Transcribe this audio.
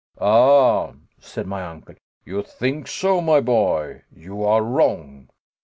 "Ah," said my uncle, "you think so, my boy. You are wrong.